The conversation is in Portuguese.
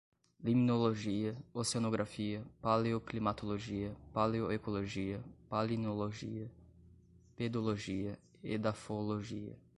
limnologia, oceanografia, paleoclimatologia, paleoecologia, palinologia, pedologia, edafologia